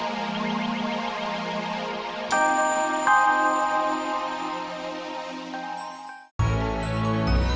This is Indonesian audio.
terima kasih ayah